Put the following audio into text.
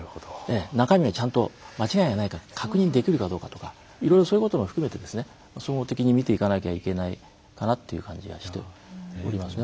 中身がちゃんと間違いがないか確認できるかどうかとかいろいろそういうことも含めて総合的に見ていかなきゃいけないかなっていう感じがしておりますね。